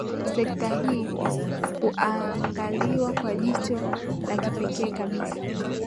Sekta hii huangaliwa kwa jicho la kipekee kabisa